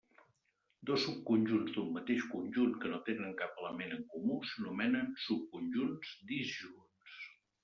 Dos subconjunts d'un mateix conjunt que no tenen cap element en comú s'anomenen subconjunts disjunts.